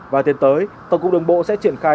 và tiến tới tổng cục đường bộ sẽ triển khai